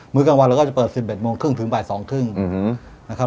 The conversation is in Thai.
ื้อกลางวันเราก็จะเปิด๑๑โมงครึ่งถึงบ่าย๒๓๐นะครับ